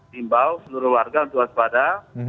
himbau seluruh warga untuk waspada